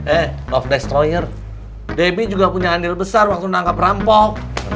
eh of destroyer debbie juga punya andil besar waktu nangkep rampok